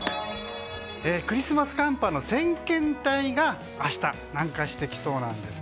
クリスマス寒波の先遣隊が明日、南下してきそうなんです。